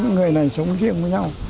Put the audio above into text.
người này sống riêng với nhau